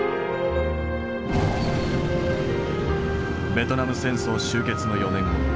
ベトナム戦争終結の４年後。